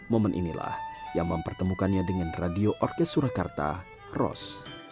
momen inilah yang mempertemukannya dengan radio orkes surakarta ros